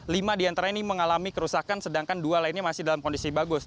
lima di antara ini mengalami kerusakan sedangkan dua lainnya masih dalam kondisi bagus